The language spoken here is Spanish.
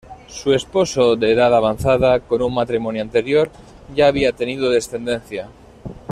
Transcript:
Su esposo, de edad avanzada, con un matrimonio anterior ya había tenido descendencia.